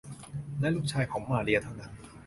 และลูกชายของมาเรียเท่านั้น